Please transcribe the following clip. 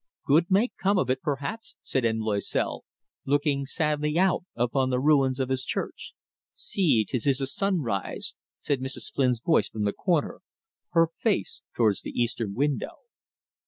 "Good may come of it, perhaps," said M. Loisel, looking sadly out upon the ruins of his church. "See, 'tis the sunrise!" said Mrs. Flynn's voice from the corner, her face towards the eastern window.